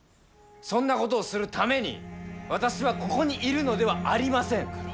そんなことをするために私はここにいるのではありません。